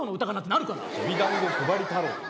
「きび団子配り太郎」って。